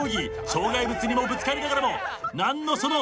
障害物にもぶつかりながらもなんのその。